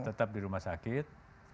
tetap di rumah sakit